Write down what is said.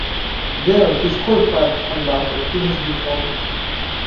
There she is horrified to find out that he has been following her.